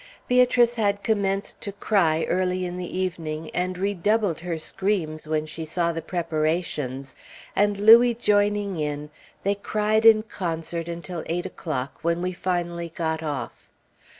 Beatrice had commenced to cry early in the evening, and redoubled her screams when she saw the preparations; and Louis joining in, they cried in concert until eight o'clock, when we finally got off.